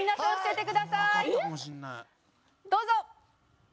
どうぞ！